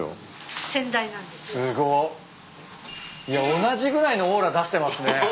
いや同じぐらいのオーラ出してますね。